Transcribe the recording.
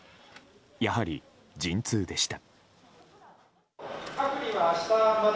やはり、陣痛でした。